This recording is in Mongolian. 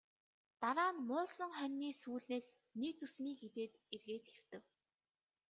Дараа нь муулсан хонины сүүлнээс нэг зүсмийг идээд эргээд хэвтэв.